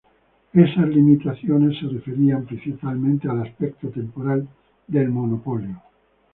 Esas limitaciones se referían principalmente al aspecto temporal del monopolio.